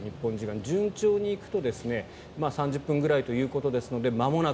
順調にいくと３０分ぐらいということですのでまもなく。